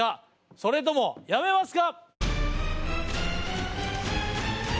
それともやめますか？